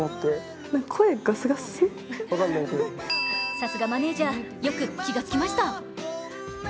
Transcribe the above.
さすがマネージャー、よく気がつきました。